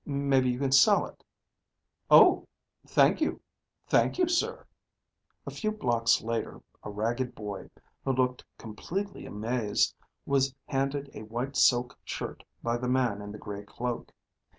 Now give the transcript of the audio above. Maybe you can sell it?" "Oh, thank you. Thank you, sir." A few blocks later, a ragged boy, who looked completely amazed, was handed a white silk shirt by the man in the gray cloak.